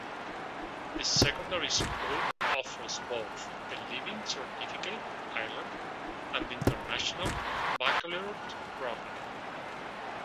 The secondary school offers both the Leaving Certificate (Ireland) and the International Baccalaureate programme.